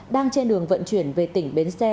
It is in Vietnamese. đang trên đường vận chuyển về tỉnh bến tre